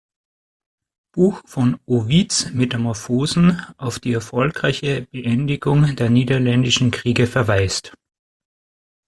Buch von Ovids Metamorphosen auf die erfolgreiche Beendigung der Niederländischen Kriege verweist.